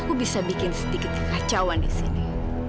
aku bisa bikin sedikit kekacauan disini